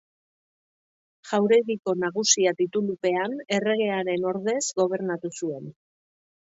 Jauregiko Nagusia titulupean, erregearen ordez gobernatu zuen.